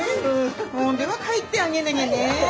んでは帰ってあげなぎゃねえ。